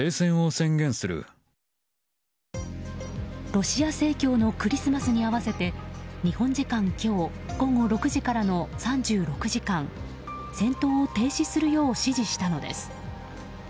ロシア正教のクリスマスに合わせて日本時間今日午後６時からの３６時間戦闘を停止するよう指示したのです。